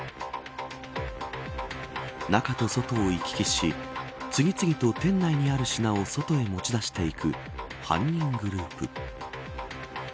中と外を行き来し次々と店内にある品を外へ持ち出していく犯人グループ。